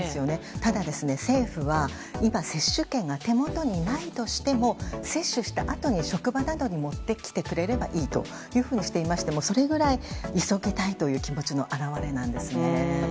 ただ、政府は今、接種券が手元にないとしても接種したあとに職場などに持ってきてくれればいいというふうにしていましてそれぐらい急ぎたいという気持ちの表れなんですよね。